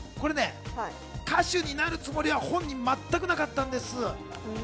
歌手になるつもりは本人は全くなかったんです。